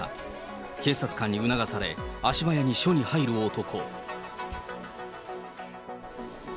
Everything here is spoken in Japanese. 警察官に促され、足早に署に入る男。